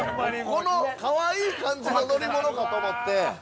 このかわいい感じの乗り物かと思って。